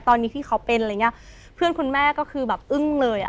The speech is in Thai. ตอนนี้ที่เขาเป็นอะไรอย่างเงี้ยเพื่อนคุณแม่ก็คือแบบอึ้งเลยอ่ะ